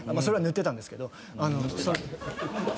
それは塗ってたんですけど。